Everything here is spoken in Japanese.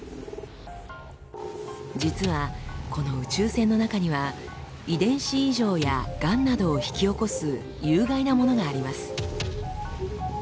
実はこの宇宙線の中には遺伝子異常やがんなどを引き起こす有害なものがあります。